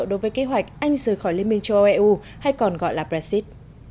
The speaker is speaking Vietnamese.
đối với kế hoạch anh rời khỏi liên minh châu âu eu hay còn gọi là brexit